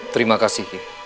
terima kasih ki